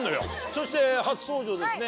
そして初登場ですね